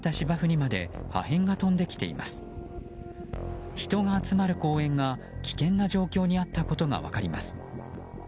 人が集まる公園が危険な状況にあったことが分かります。